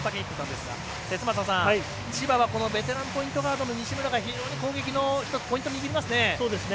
千葉はベテランポイントガードの非常に攻撃の１つポイントを握りますね。